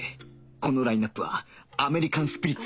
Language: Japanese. このラインアップはアメリカンスピリッツ